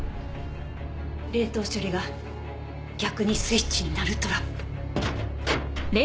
冷凍処理が逆にスイッチになるトラップ。